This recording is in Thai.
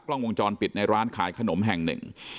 กล้องวงจรปิดในร้านขายขนมแห่งหนึ่ง